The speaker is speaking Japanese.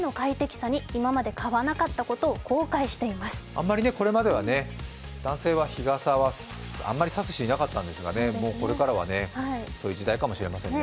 あんまりこれまでは男性は日傘は差す人がいなかったのですがもうこれからは、そういう時代かもしれないですね。